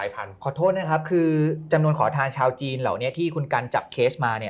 ประโยชน์หลังจิบสิบหน่อย